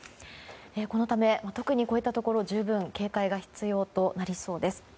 このため、特にこういったところ十分警戒が必要となりそうです。